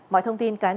mọi thông tin cá nhân